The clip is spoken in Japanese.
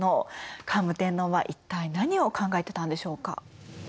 桓武天皇は一体何を考えてたんでしょうか。